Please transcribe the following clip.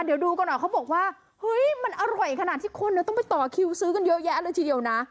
เดี๋ยวดูกันหน่อยเขาบอกว่าเฮ้ยมันอร่อยขนาดที่คนต้องไปต่อคิวซื้อกันเยอะแยะเลยทีเดียวนะ